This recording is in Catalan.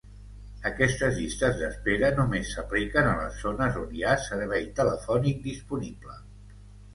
Aquestes llistes d'espera només s'apliquen a les zones on hi ha servei telefònic disponible.